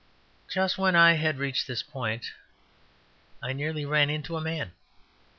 Just when I had reached this point I nearly ran into a man.